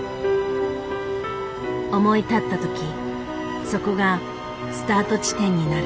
思い立った時そこがスタート地点になる。